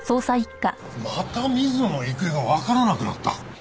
また水野の行方がわからなくなった？